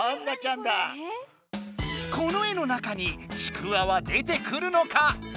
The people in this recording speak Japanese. この絵の中にちくわは出てくるのか？